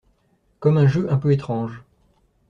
Comme un jeu un peu étrange.